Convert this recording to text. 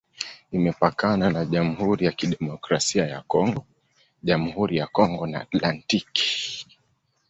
Imepakana na Jamhuri ya Kidemokrasia ya Kongo, Jamhuri ya Kongo na Atlantiki.